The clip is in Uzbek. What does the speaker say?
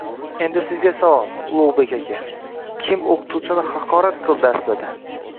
Endi sizga savol, Ulug'bek aka: Kim o'qituvchini haqorat qildi, aslida?!